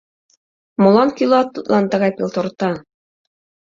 Молан кӱлат тудлан тыгай пелторта?